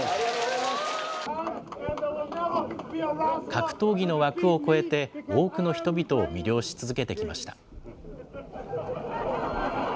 格闘技の枠を超えて、多くの人々を魅了し続けてきました。